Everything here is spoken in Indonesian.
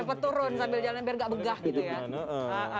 cepet turun sambil jalan biar nggak begah gitu ya